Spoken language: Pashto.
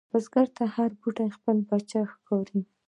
بزګر ته هره بوټۍ خپل بچی ښکاري